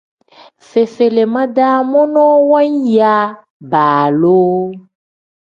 Fefelima-daa monoo waaya baaloo.